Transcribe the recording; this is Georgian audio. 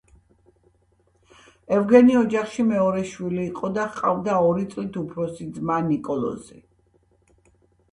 ევგენი ოჯახში მეორე შვილი იყო და ჰყავდა ორი წლით უფროსი ძმა, ნიკოლოზი.